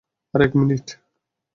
আরে এক মিনিট।